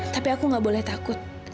tapi aku gak boleh takut